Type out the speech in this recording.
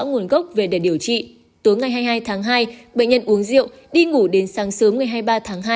nguồn gốc về để điều trị tối ngày hai mươi hai tháng hai bệnh nhân uống rượu đi ngủ đến sáng sớm ngày hai mươi ba tháng hai